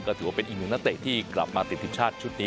ก็ถือว่าเป็นอีกหนึ่งนักเตะที่กลับมาติดทีมชาติชุดนี้